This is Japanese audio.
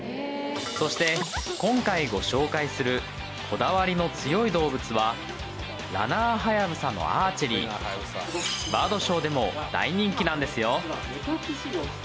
そして今回ご紹介するこだわりの強い動物はラナーハヤブサのアーチェリーバードショーでも大人気なんですよ